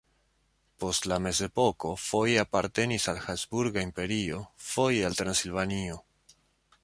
Post la mezepoko foje apartenis al Habsburga Imperio, foje al Transilvanio.